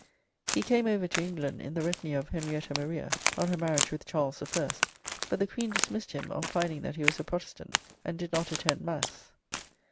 He came over to England in the retinue of Henrietta Maria on her marriage with Charles I, but the queen dismissed him on finding that he was a Protestant and did not attend mass.